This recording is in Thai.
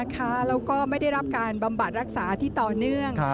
แล้วก็ไม่ได้รับการบำบัดรักษาที่ต่อเนื่อง